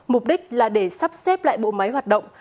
mục đích là để sắp xếp lại bộ máy hoạt động